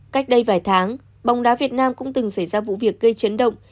cách đây vài tháng bóng đá việt nam cũng từng xảy ra vụ việc gây chấn động